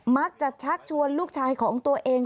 มักจะชักชวนลูกชายของตัวเอง